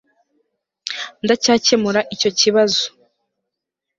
ndacyakemura icyo kibazo